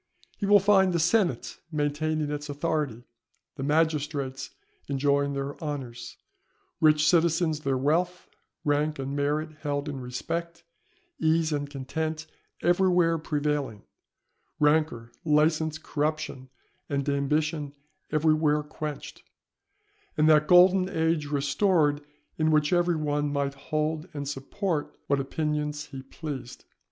He will find the senate maintaining its authority, the magistrates enjoying their honours, rich citizens their wealth, rank and merit held in respect, ease and content everywhere prevailing, rancour, licence, corruption and ambition everywhere quenched, and that golden age restored in which every one might hold and support what opinions he pleased.